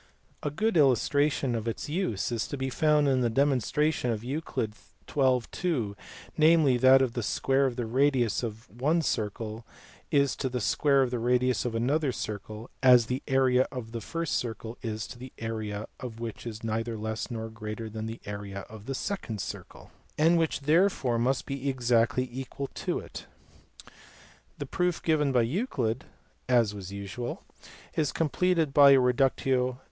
A good illustration of its use is to be found in the demon stration of Euc. xn. 2, namely, that the square of the radius of one circle is to the square of the radius of another circle as the area of the first circle is to an area which is neither less nor greater than the area of the second circle, and which therefore must be exactly equal to it : the proof given by Euclid (as was usual) is completed by a rediictio ad EUDOXUS.